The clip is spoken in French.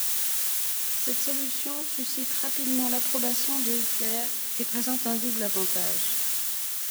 Cette solution suscite rapidement l'approbation de Hitler et présente un double avantage.